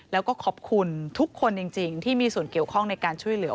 แล้วก็ขอบคุณทุกคนจริงที่มีส่วนเกี่ยวข้องในการช่วยเหลือ